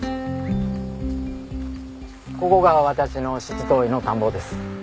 ここが私の七島藺の田んぼです。